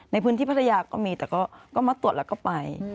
ในพื้นที่พัทยาก็มีแต่ก็มาตรวจแล้วก็ไป